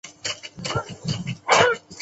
建安十九年为曹操击败。